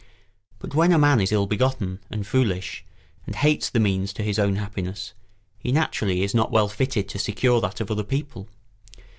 But when a man is ill begotten and foolish, and hates the means to his own happiness, he naturally is not well fitted to secure that of other people.